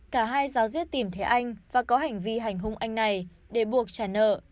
cả hai giáo diết tìm thấy anh và có hành vi hành hung anh này để buộc trả nợ